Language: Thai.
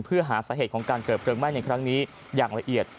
เพื่อหาสาเหตุของการเกิดเพลิงไหม้ในครั้งนี้อย่างละเอียด